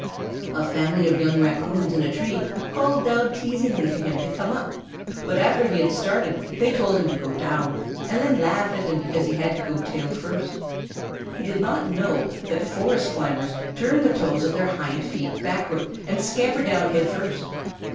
A family of young Raccoons in a tree called down teasingly to him to come up, but after he had started they told him to go down, and then laughed at him because he had to go tail first. He did not know that forest climbers turn the toes of their hind feet backward and scamper down head first.